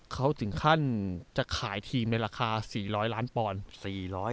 เขาถึงขั้นจะขายทีมในราคา๔๐๐ล้านปอนด์